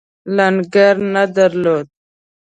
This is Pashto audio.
لنګر نه درلود.